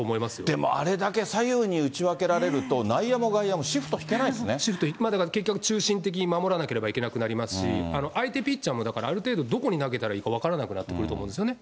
でもあれだけ左右に打ち分けられると、内野も外野もシフト引シフト、結局、中心的に守らなければいけませんし、相手ピッチャーもある程度、どこに投げたらいいか分からなくなってくると思いますよね。